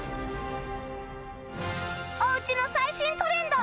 おうちの最新トレンド